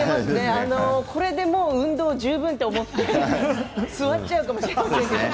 これで運動は十分と思って座っちゃうかもしれないですね。